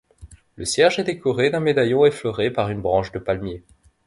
Le cierge est décoré d'un médaillon effleuré par une branche de palmier.